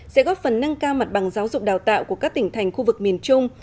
sẽ góp phần nâng cao mặt bằng giáo dục đào tạo của các tỉnh thành khu vực miền trung